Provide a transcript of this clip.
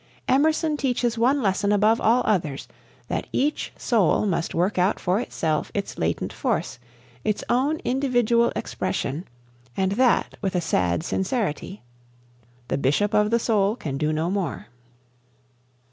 Emerson teaches one lesson above all others, that each soul must work out for itself its latent force, its own individual expression, and that with a "sad sincerity." "The bishop of the soul" can do no more.